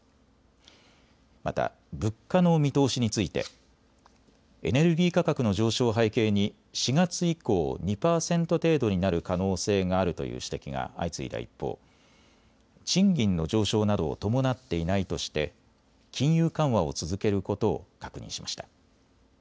また物価の見通しについてエネルギー価格の上昇を背景に４月以降、２％程度になる可能性があるという指摘が相次いだ一方、賃金の上昇などを伴っていないとして金融緩和を続けることを確認しました。